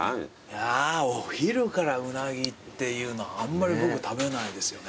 いやお昼からうなぎっていうのはあんまり食べないですよね。